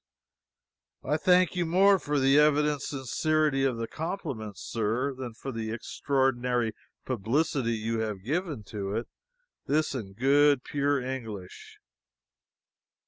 "I thank you more for the evident sincerity of the compliment, sir, than for the extraordinary publicity you have given to it!" This in good, pure English.